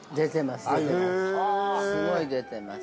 すごい出てます。